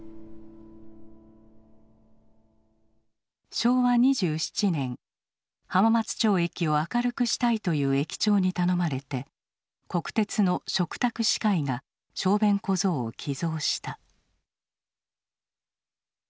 昭和２７年浜松町駅を明るくしたいという駅長に頼まれて国鉄の嘱託歯科医が小便小僧を寄贈した。